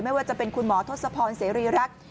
ไม่ว่าจะเป็นคุณหมอทศพรเสรีรักษ์